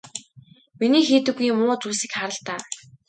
Миний хийдэггүй муу зүйлсийг хар л даа.